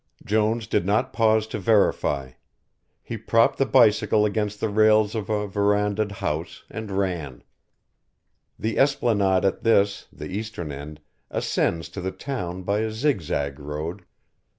Jones did not pause to verify. He propped the bicycle against the rails of a verandahed house and ran. The esplanade at this, the eastern end, ascends to the town by a zig zag road.